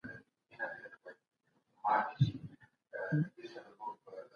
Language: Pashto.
سياستوال څنګه د لږو امکاناتو څخه ګټه اخلي؟